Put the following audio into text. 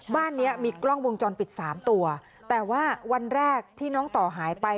บ้านเนี้ยมีกล้องวงจรปิดสามตัวแต่ว่าวันแรกที่น้องต่อหายไป